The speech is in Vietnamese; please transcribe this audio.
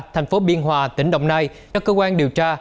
thành phố biên hòa tỉnh đồng nai các cơ quan điều tra